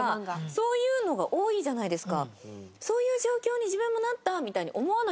そういうのが多いじゃないですか。